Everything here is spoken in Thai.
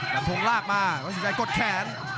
ดับทงลากมาวันสินใจกดแขน